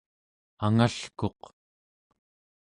angalkuq